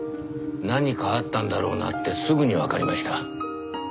何かあったんだろうなってすぐにわかりました。